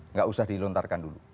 nggak usah dilontarkan dulu